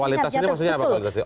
kualitas ini maksudnya apa